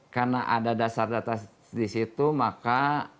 karena ada dasar data disitu maka